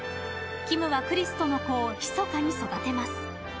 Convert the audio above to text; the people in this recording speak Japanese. キムはクリスとの子をひそかに育てます。